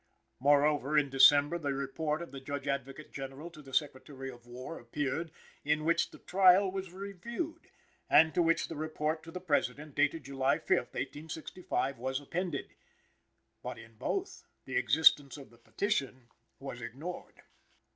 Moreover, in December, the report of the Judge Advocate General to the Secretary of War appeared, in which the trial was reviewed, and to which the report to the President, dated July 5th, 1865, was appended. But in both the existence of the petition was ignored.